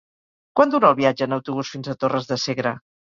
Quant dura el viatge en autobús fins a Torres de Segre?